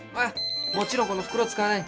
もちろんこの袋使わない。